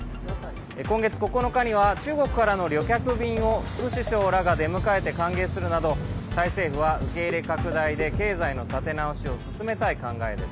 今月９日には中国からの旅客便を副首相らが出迎えて歓迎するなどタイ政府は受け入れ拡大で経済の立て直しを進めたい考えです。